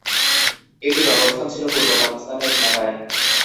এটির অবস্থান ছিল পূর্ব পাকিস্তানের ঢাকায়।